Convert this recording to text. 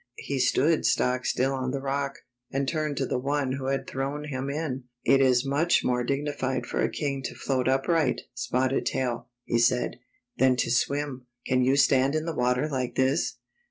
He stood stock still on the rock, and turned to the one who had thrown him in. '' It is much more dignified for a king to float upright. Spotted Tail," he said, ''than to swim. Can you stand in the water like this?"